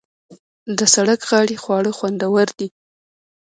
د سړک غاړې خواړه خوندور دي.